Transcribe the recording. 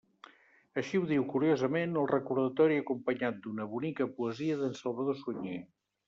Així ho diu curiosament el recordatori acompanyat d'una bonica poesia d'en Salvador Sunyer.